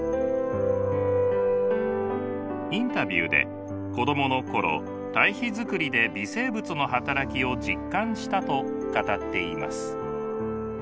インタビューで子供の頃堆肥作りで微生物の働きを実感したと語っています。